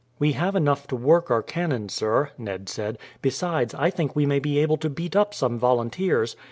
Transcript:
"We have enough to work our cannon, sir," Ned said; "besides, I think we may be able to beat up some volunteers.